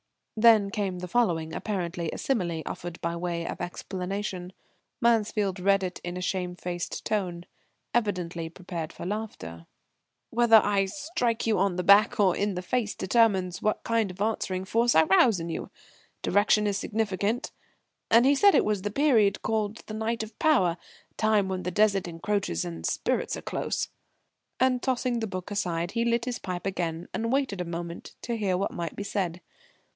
'" Then came the following, apparently a simile offered by way of explanation. Mansfield read it in a shamefaced tone, evidently prepared for laughter: "'Whether I strike you on the back or in the face determines what kind of answering force I rouse in you. Direction is significant.' And he said it was the period called the Night of Power time when the Desert encroaches and spirits are close." And tossing the book aside, he lit his pipe again and waited a moment to hear what might be said.